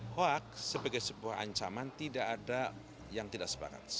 hoak sebagai sebuah ancaman tidak ada yang tidak sepakat